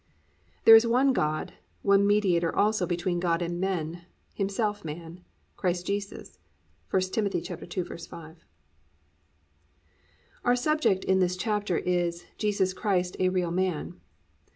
"There is one God, one mediator also between God and men, himself man, Christ Jesus."—1 Tim. 2:5. Our subject in this chapter is "Jesus Christ a Real Man."